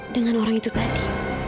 dengan orang itu tadi